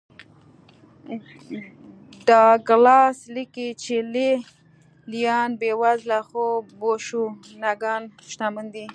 ډاګلاس لیکي چې لې لیان بېوزله خو بوشونګان شتمن دي